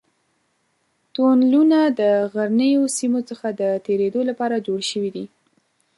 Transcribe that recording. تونلونه د غرنیو سیمو څخه د تېرېدو لپاره جوړ شوي دي.